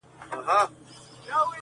شمېریې ډېر دی تر همه واړو مرغانو.!